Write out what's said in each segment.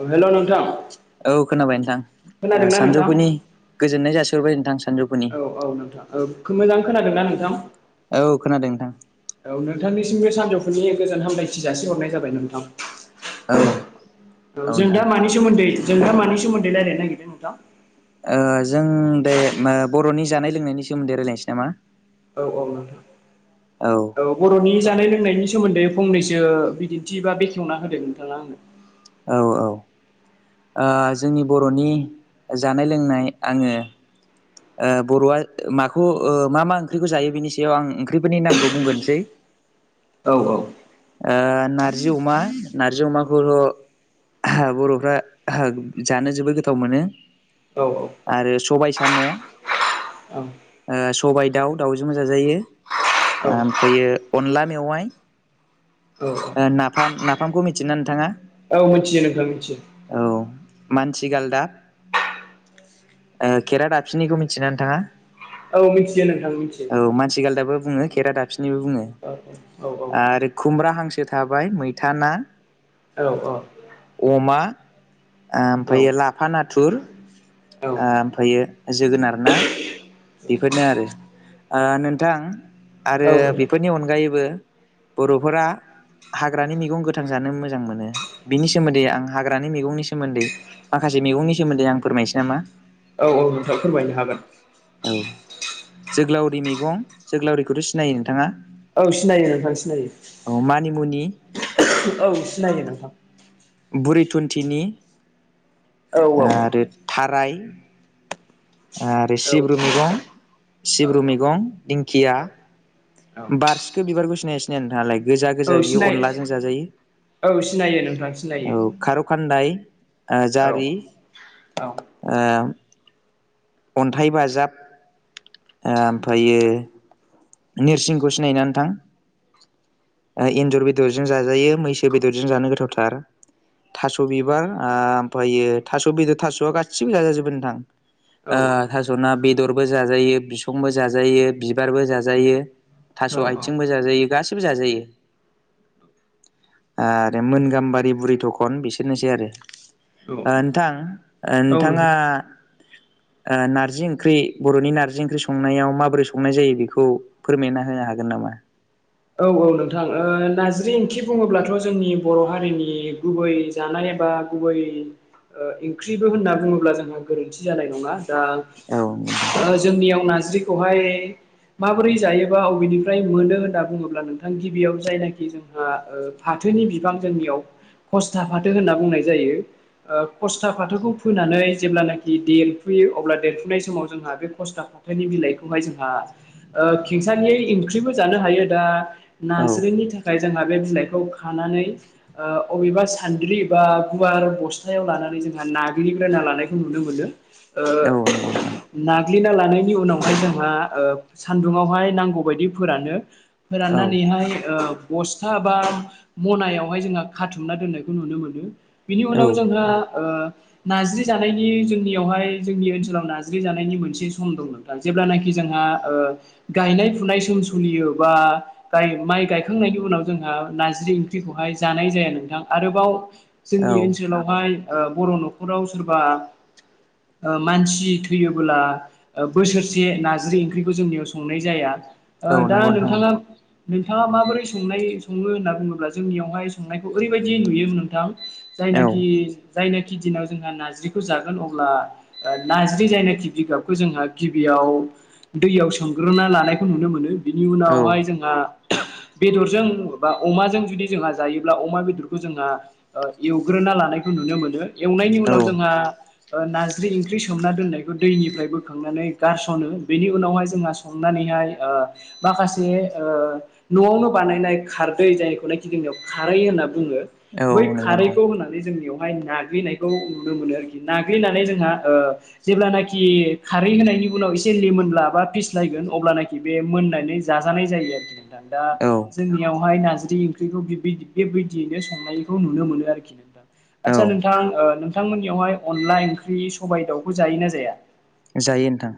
औ हेल' नोंथां औ खोनाबाय नोंथां ओ खोनादोंना नोंथां सानजौफुनि गोजोननाय जासहबाय नोंथां सानजौफुनि औ औ नोंथां औ मोजां खोनादों ना नोंथां औ खोनादों नोंथां औ [unintelligible] सानजौफुनि गोजोन हामलायथि जासिहरनाय जाबाय नोंथां औ औ जों दा मानि सोमोन्दै जों दा मानि सोमोन्दै रायलायनो नागिरदों नोंथां ओ जों दे ओम बर'नि जानाय लोंनायनि सोमोन्दै रायज्लायनोसै नामा औ औ नोंथां औ बर'नि जानाय लोंनायनि सोमोन्दै फंनैसो बिदिन्थि बा बेखेवना होदो नोंथाङा आंनो औ औ ओ जोंनि बर'नि जानाय लोंनाय आङो ओ बर'आ माखौ ओ मा मा ओंख्रिखौ जायो बेनि सायाव आं ओंख्रिफोरनि नामखौ बुंगोरनोसै औ औ ओ नारजि अमा नारजि अमाखौबो बर'फ्रा जानो जोबोद गोथाव मोनो औ औ आरो सबाय साम' ओ औ सबाय दाउ दाउजोंबो जाजायो औ ओमफ्रायो अनला मेवाइ औ ओ औ नाफाम नाफामखौ मिथियोना नोंथाङा? औ मिथियो नोंथां मिथियो औ मानसि गालदाब खेरा दाबसिननिखौ मिथियोना नोंथाङा? औ मिथियो नोंथां मिथियो औ मानसि गालदाबो बुङो खेरा दाबसिनिबो बुङो औ औ आरो खुमब्रा हांसो थाबाय मैथा ना औ अमा औ ओमफ्राय लाफा नाथुर औ ओमफ्रायो जोगोनार ना बेफोरनो आरो ओ नोंथां आरो औ नोंथां बेफोरनि अनगायैबो बर'फोरा हाग्रानि मैगं गोथां जानो मोजां मोनो बिनि सोमोनदै आं हाग्रानि मैगंनि सोमोनदै माखासे मैंनि सोमोनदै आं फोरमायनोसै नामा? औ औ नोंथां फोरमायनो हागोन औ जोग्लावरि मैगं जोग्लावरिखौथ' सिनायो नोंथाङा औ सिनायो नोंथां सिनायो औ मानिमुनि औ सिनायो नोंथां बुरि थुनथिनि औ औ आरो थाराय आरो सिब्रु मैगं सिब्रु औ मैगं दिंखिया औ बारसिखो बिबारखौ सिनायो ना सिनाया नोंथाङालाय गोजा गोजा औ बियो सिनाय अनलाजों जाजायो औ सिनायो नोंथां औ सिनायो खार' खानदाय ओ औ जारि औ आ अनथाइ बाजाब ओमफ्रायो नोरसिंखौ सिनायो ना नोंथां? ओ एनजर बेदरजों जाजायो मैसो बेदरजों जानो गोथावथार थास' बिबार ओमफायो थास' बेदर थास'आ गासिबो जाजाजोबो नोंथां औ ओ थास'ना बेदरबो जाजायो बिसंबो जाजायो बिबारबो जाजायो थास' नोंथां आथिंबो जाजायो गाससिबो जाजायो आरो मोन गामबारि बुरि थखन बिसोरनोसै आरो ओ औ नोंथां ओ औ नोंथाङा नोंथां ओ नारजि ओंख्रि बर'नि नारजि ओंख्रि संनायाव माबोरै संनाय जायो बेखौ बखौ फोरमायना होनो हागोन नामा? औ औ नोंथां ओ नारज्रि ओंख्रि बुङोब्लाथ' जोंनि बर' हारिनि गुबै जानाय बा गुबै ओंख्रिबो होनना बुङोब्ला जोंहा गोरोनथि जानाय नङा औ नोंथां आ जोंनियाव नारज्रि खौहाय माबोरै जायोबा अबेनिफ्राय मोनो होनना बुङोब्ला अब्ला नोंथां गिबियाव जायनाखि जोंहा फाथोनि बिबां जोंनियाव खसथा फाथो होनना बुंनाय जायो ओ खसथा फाथोखौ फोनानै जेब्लानाखि देरफुयो अब्ला देरफुनाय समाव जोंहा बे खसथा फाथोनि बिलाइखौहाय जोंहा खेंसालियायै ओंख्रिबो जानो हायो दा औ नारज्रिनि थाखाय जोंहा बे बिलाइखौ खानानै ओ अबेबा सानद्रि बा गुवार बसथायाव लानानै जोंहा नाग्लिग्रोना लानायखौ नुनो मोनो औ नंगौ नोंथां ग्लिना लानायनि उनावहाय जोंहा सानदुङावहाय नांगौ बायदि फोरानो औ फोराननानैहाय बसथा बा मनायावहाय जोंहा खाथुमना दोननायखौ नुनो मोनो बिनि औ उनाव जोंहा ओ नारजि जानायनि जोंनियावहाय जोंनि ओनसोलाव नारजि जानायनि मोनसे सम दं नोंथां जेब्लानखि जोंहा ओ गायनाय फुनाय सम सलियो बा गाय माइ गायखांनायनि उनाव जोंहा नारजि ओंख्रिखौहाय जानाय जाया नोंथां आरोबाव जोंनि औ ओनसोलावहाय ओ बर' न'खराव सोरबा ओ मानसि थैयोब्ला बोसोरसे नारजि ओंख्रिखौ जोंनियाव संनाय जाया ओ औ दा नंगौ नोंथां नोंथाङा नंगौ नोंथाङा माबोरै संनाय सङो होनना बुङोब्ला जोंनियावहाय संनायखौ ओरैबायदि नुयोमोन नोंथां औ जायनाखि जायनाखि दिनाव जोंहा नारजिखौ जागोन अब्ला ओ नाज्रि जायनाखि बिगाबखौ जोंहा गिबियाव आव दैयाव सोमग्रोना लानायखौ नुनो मोनो बिनि औ उनावहाय जोंहा बेदरजों बा अमाजों जुदि जोंहा जायोब्ला अमा बेदरखौ जोंहा ओ एवग्रोना लानायखौ नुनो मोनो एवनायनि उनाव औ जोंहा ओ नारजि ओंख्रि सोमना दोन्नायखौ दैनिफ्राय बोखांनानै गारस'नो बेनि उनावहाय जोंहा संनानै याय ओ माखासे ओ न'आवनो बानायनाय खारदै जायखौनाखि जोंनियाव खारै होनना बुङो औ बै नंगौ नोंथां खारैखौ होनानै जोंनियाव फाय नाग्लिनायखौ नुनो मोनो आरोखि नाग्लिनानै जोंहा ओ जेब्लानखि खारै होनाय नि उनाव इसे लिमोनब्ला बा फिस्लायगोन अब्लानाखि बे मोननानै जाजानाय जायो आरो नोंथां दा औ जोंनियाव हाय नारजि ओंख्रिखौ दिबबि दिबबि बेबायदियैनो संनायखौ नुनो मोनो आरोखि नोंथां औ आदसा नोंथां ओ नोंथांमोननियावहाय अनला ओंख्रि सबाइ दाउखौ जायोना जाया जायो नोंथां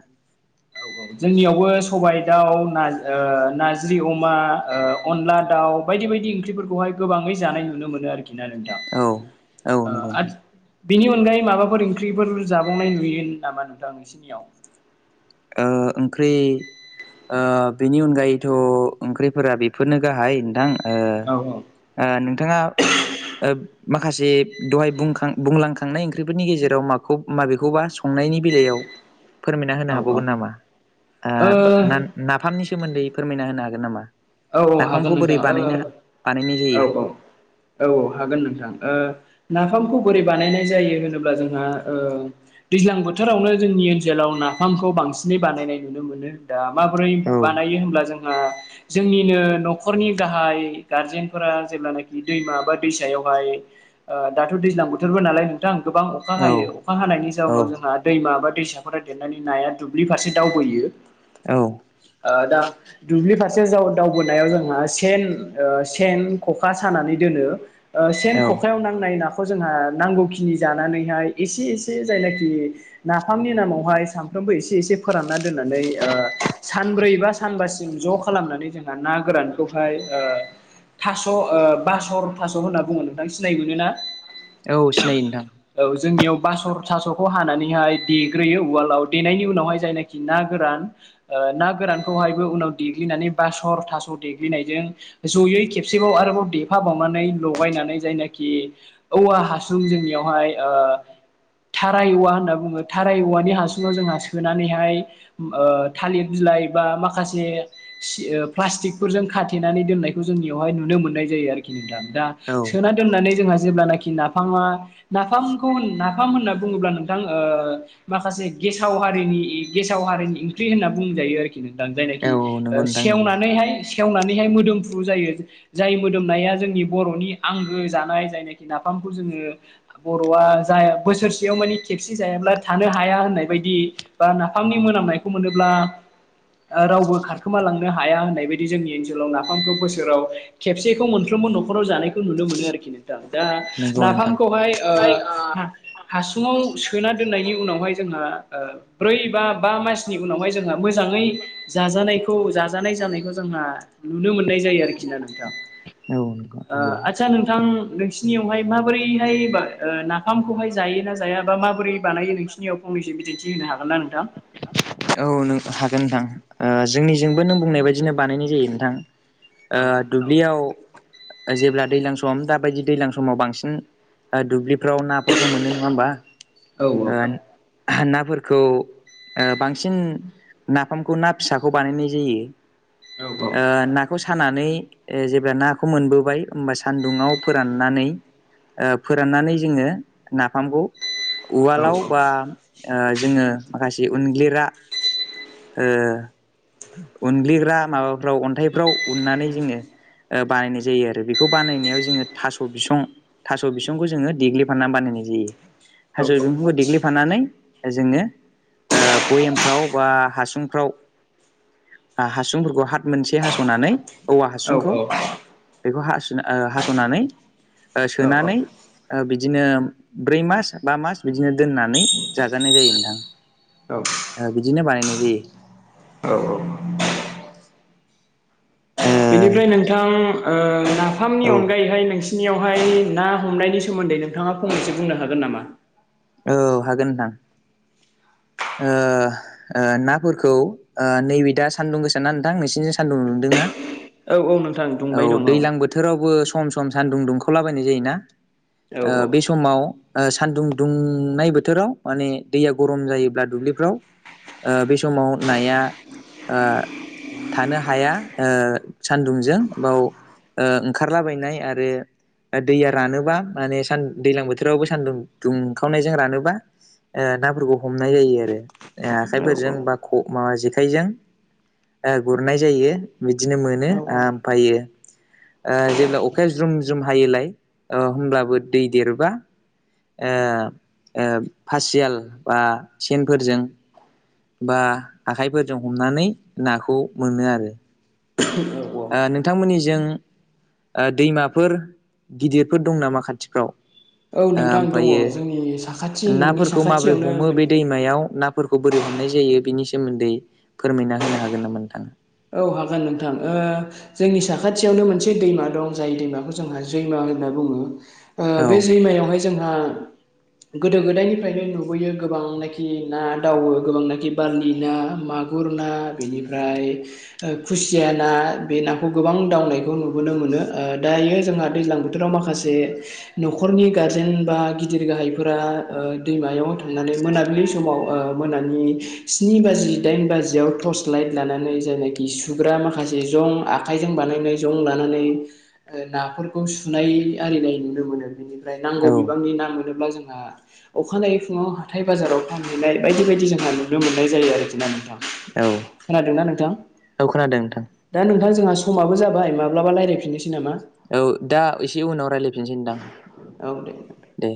औ औ जोंनियावबो सबाइ दाउ ना ओ नाज्रि अमा ओ अनला दाउ आव बायदि बायदि ओंख्रिफोरखौहाय गोबाङै जानाय नुनो मोनो आरोखि खि ना नोंथां औ औ ओ नंगौ नोंथां आथ बेनि अनगायै माबाफोर ओं ख्रिफोर जाबावनाय नुयो नामा नोंथां नोंसिनियाव ओ ओंख्रि ओ बेनि अनगायैथ' ओंख्रिफोरा बेफोरनो गाहाय नोंथां ओ औ ओ नोंथाङा ओ माखासे दहाय बुंखां बुंलांखांनाय ओंख्रिफोरनि गेजेराव माखौ माबेखौबा संनायनि बेलायाव [inaudible] फोरमायना होनो औ हाबावगोन नामा ओ नान नाफामनि सोमोन्दै फोरमायना होनो हागोन नामा औ हागोन नाफामखौ बोरै नोंथां आरो बानायनो बानायनाय औ औ जायो? औ औ हागोन नोंथां ओ नाफामखौ बोरै बानायनाय जायो होनोब्ला जोंहा ओ दैज्लां बोथोरावनो जोंनि ओनजोलाव नाफामखौ बां बांसिनै बानायनाय नुनो मोनो दा माबोरै औ बानायो होनब्ला जोंहा जोंनिनो न'खरनि गाहाय गारजेनफोरा जेब्लानाखि दैमा बा दैसायावहाय ओ दाथ' दैज्लां बोथोरबो नालाय नोंथां गोबां अखा औ हायो अखा हानायनि जाउनाव जोंहा औ दैमा बा दैफोरा देरनानै नाया दुब्लि फारसे दावबोयो ओ दा दुब्लि फार से जाव दावबोनायाव जोंहा सेन ओ सेन ख'खा सानानै दोनो ओ सेन औ खखायाव नांनाय ना खौ जोंहा नांगौखिनि जानानैहाय एसे एसे जायनाखि नाफामनि नामावहाय सामफ्राम फ्रामबो एसे एसे फोरानना दोननानै ओ सानब्रै बा सानबासिम ज खालामनानै जोंहा ना गोरानखौहाय ओ थास' ओ बासर थास' होनना बुङो नोंथां सिनाय मोनो ना औ सिनायो नोंथां औ जोंनियाव बास'र थास'खौ हानानैहाय देग्रोयो उवालाव देनायनि उनावहाय जायनाखि ना गोरान ओ ना गोरानखौहायबो उनाव दे देनानै बास'र थास' देग्लिनायजों जयै खेबसेबाव आरोबाव देफा बावनानै लगायनानै जायनाखि औवा हासुं जोंनियावहाय ओ थाराय औवा होनना बुङो थाराय औवानि हासुङाव जोंहा सोनानैहाय ओ थालिर बि लाइ बा माखासे सि ओ प्लास्टिकफोरजों खाथेनानै दोननायखौ जोंनियावहाय नुनो मोननाय जायो आरोखि नोंथां दा औ सोना दोननानै जोंहा जेब्लानाखि नाफामा नाफामखौ नाफाम होनना बुङोब्ला नोंथां ओ माखासे गेसाव हारिनि गेसाव हारिनि ओंख्रि होनना बुंजायो आरोखि नोंथां जायनाखि औ नंगौ ओ नोंथां नंगौ सेवनानैहाय सेवनानैहाय मोदोमफ्रु जायो जाय मोदोमनाया जोंनि बर'नि आं जानाय जायनाखि नाफामखौ जोङो बर'आ बोसोरसेयाव माने खेबसे जायाब्ला थानो हाया होननाय बायदि बा नाफामनि मोनामनायखौ मोनोब्ला रावबो खारनो खोमा लांनो हाया होननाय बायदि जोंनि ओनसोलाव नाफामखौ बोसोराव खेबसेखौ मोनफ्रोमबो नखराव जानायखौ नुनो मोन मोनो आरोखि नोंथां दा नंगौ नोंथां नाफामखौहाय हासुङाव सोना दोननायनि उनावहाय जोंहा ब्रै बा बा मासनि उनाव ओमफ्राय जोंहा मोजाङै जाजानाय खौ जाजानाय जानायखौ जोंहा नुनो मोननाय जायो आरोखि नोंथां औ नंगौ नंगौ आदसा नोंथां नोंसिनियावहाय माबोरैहाय नाफामखौहाय जायोना जाया जायाबा माबोरै बानायनायो नोंसिनियाव फंनैसो बिदिन्थि होनो हागोन ना नोंथां औ नों हागोन नोंथां जोंनिजोंबो नों बुंनाय बायदिनो बानायनाय जायो नोंथां औ दुब्लियाव जेब्ला दैज्लां सम दा बायदि दैजलां समाव बांसिन दुबलि फोराव नाफोरखौ मोनो नङा होमबा औ औ नाफोरखौ बांसिन नाफामखौ ना फिसाखौ बानायनाय जायो औ नाखौ सानानै जेब्ला नाखौ मोनबोबाय होमबा सानदुङाव फोराननानै फोराननानै जोङो नाफामखौ उवालाव औ औ बा जोङो माखासे उनग्लिग्रा उनग्लिग्रा माबाफ्राव अन्थाइफ्राव उननानै जोङो बानायनाय जायो आरो बेखौ बानायनायाव जोङो थास' बिसं थास' बिसंखौ जोङो देग्लिफाननानै बानाय औ थास बिफांखौ देग्लिफानानै जोङो भयामफ्राव बा हासुंफ्राव हासुंफोरखौ हाथ मोनसे हास'नानै औवा हासुंखौ औ बेखौ हास'नानै औ सोनानै बिदिनो ब्रै मास बा मास बिदिनो दोननानै जाजानाय जायो नोंथां औ बिदिनो बानायनाय जायो औ बेनिफ्राय नोंथां नाफामनि ओ औ अनगायैहाय नोंसि नियावहाय ना हमनायनि सोमोन्दै नोंथाङा फंनैसो बुंनो हागोन नामा औ हागोन नोंथां नाफोरखौ नैबे दा सान्दुं गोसा ना नोंथां नोंसिनिजों सान्दुं नुदोंना औ औ नोंथां औ दैज्लां बोथोरावबो सम सम सानदुं दुंखावलाबायनाय जायोना औ औ बे समाव सान्दुं दुंनाय बोथोराव माने दैया गरम जायोब्ला दुब्लिफ्राव बे समाव नाया थानो हाया सान्दुंजों बाव ओंखारलाबायनाय आरो दैया रानोबा मानेान दैज्लां बोथोरावबो सानदुं दुंखावनायजों रानोबा नाफोरखौ हमनाय जायो आरो आखाइफोरजों बा माबा जेखाइजों गुरनाय जायो बिदिनो मोनो औ आमफ्रायायो जेब्ला अखाया ज्रुम ज्रुम हायोलाय होमब्लाबो दै देरोबा फासियाल बा सेनफोरजों बा आखाइफोरजों हमनानै नाखौ मोनो आरो औ औ ओ नोंथांमोननिजों ओ दैमाफोर गिदिरफोर दं नामा खाथिफ्राव [unintelligible] ओ दङ जोंनि साखाथि ओमफ्रायो न'नि नाफोरखौ माबोरै साखाथियावनो हमो बे दैमायाव नाफोरखौ बोरै हमनाय जायो बिनि सोमोन्दै फोरमायना होनो हागोन नामा नोंथाङा औ हागोन नोंथां ओ जोंनि साखाथियावनो मोनसे दैमा दं जाय दैमाखौ जोंहा जैमा होनना बुङो ओ औ बे जैमायावहाय जोंहा गोदो गोदायनिफ्रायनो नुबोयो गोबांनाखि ना दावो गोबांनाखि बारलि ना माग गुर ना बेनिफ्राय ओ खुसिया ना बे नाखौ गोबां दावनायखौ नुबोनो मोनो ओ दायो जोंहा दैज्लां बोथोर माखासे न'खरनि गारजेन बा गिदिर गाहायफोरा ओ दैमायाव थांनानै मोनाबिलि समाव ओ मोनानि स्नि बाजि दाइन बाजियाव टर्च लाइट लानानै जायनाखि सुग्रा माखासे जं आखाइजों बानायनाय जं लानानै नाफोरखौ सुनाय आरिनाय नुनो मोनो बेनिफ्राय नांगौ औ बिबांनि ना मोन नोब्ला जोंहा अखानायै फुङाव हाथाय बाजाराव फानहैनाय बायदि बायदि जोंहा नुनो मोननाय जायो आरोखि ना नोंथां औ खोनादों ना नोंथां औ खोनादों नोंथां दा नोंथां जोंहा समाबो जाबाय माब्लाबा रायलायफिननोसै नामा औ दा एसे उनाव रायलायफिनसै नोंथां औ दे दे।